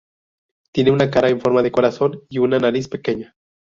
Tiene una cara en forma de corazón y una nariz pequeña.